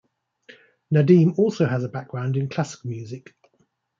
Nadeem also has a background in classical music.